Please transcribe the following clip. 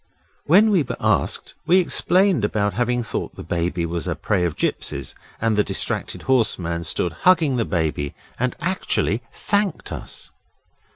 When we were asked we explained about having thought the Baby was the prey of gipsies, and the distracted horseman stood hugging the Baby, and actually thanked us.